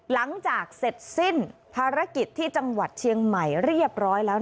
หลังจากเสร็จสิ้นภารกิจที่จังหวัดเชียงใหม่เรียบร้อยแล้ว